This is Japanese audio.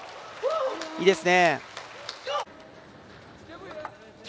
いいですね。